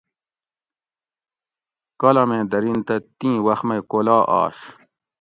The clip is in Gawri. کالامیں درین تہ تیں وخ مئ کولا آش